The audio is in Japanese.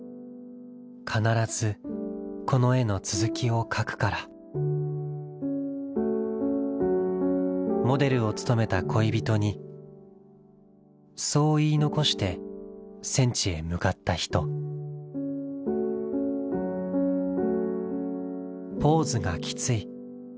「必ずこの絵の続きを描くから」モデルを務めた恋人にそう言い残して戦地へ向かった人「ポーズがきつい」